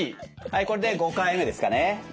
はいこれで５回目ですかね。